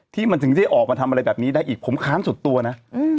ที่มันถึงได้ออกมาทำอะไรแบบนี้ได้อีกผมค้านสุดตัวนะ